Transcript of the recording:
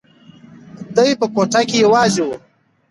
دی په کوټه کې یوازې و.